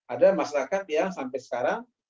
ada masyarakat yang sampai sekarang